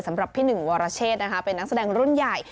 สำหรับพี่หนึ่งวรเชษนะคะเป็นนักแสดงรุ่นใหญ่